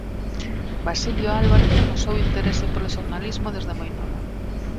Basilio Álvarez amosou interese polo xornalismo desde moi novo.